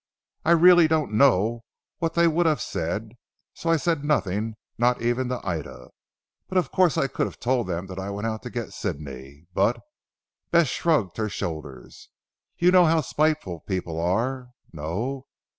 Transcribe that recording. I really don't know what they would have said. So I said nothing not even to Ida. Of course I could have told them that I went out to get Sidney but " Bess shrugged her shoulders, "you know how spiteful people are. No!